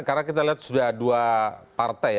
karena kita lihat sudah dua partai